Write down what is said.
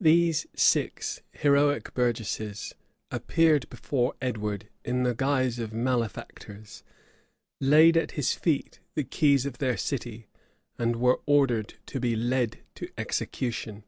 These six heroic burgesses appeared before Edward in the guise of malefactors, laid at his feet the keys of their city, and were ordered to be led to execution.